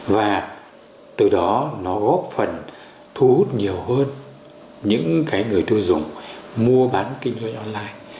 và từ đó nó góp phần thu hút nhiều hơn những cái người tiêu dùng mua bán kinh doanh online